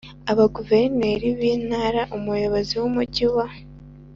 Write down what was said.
Abaguverineri b Intara Umuyobozi w Umujyi wa